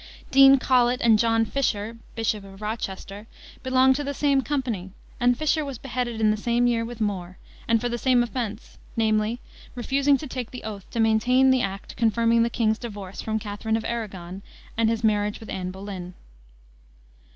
Dean Colet and John Fisher, Bishop of Rochester, belonged to the same company, and Fisher was beheaded in the same year (1535) with More, and for the same offense, namely, refusing to take the oath to maintain the act confirming the king's divorce from Catherine of Arragon and his marriage with Anne Boleyn.